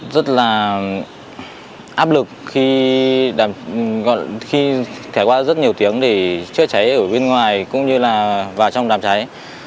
rất là áp lực khi thảy qua rất nhiều tiếng để chữa cháy ở bên ngoài cũng như là vào trong đàm cháy